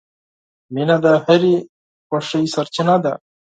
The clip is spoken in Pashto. • مینه د هرې خوښۍ سرچینه ده.